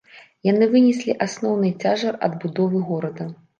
Яны вынеслі асноўны цяжар адбудовы горада.